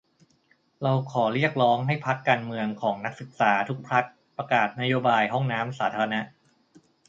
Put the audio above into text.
เราขอเรียกร้องให้พรรคการเมืองของนักศึกษาทุกพรรค ประกาศนโยบายห้องน้ำสาธารณะ !